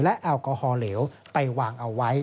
และแอลกอฮอลเหลวไปวางเอาไว้